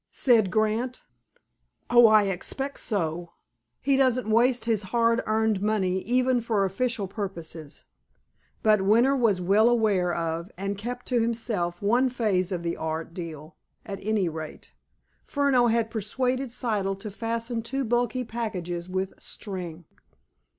said Grant. "Oh, I expect so. He doesn't waste his hard earned money, even for official purposes." But Winter was well aware of, and kept to himself one phase of the art deal, at any rate. Furneaux had persuaded Siddle to fasten two bulky packages with string!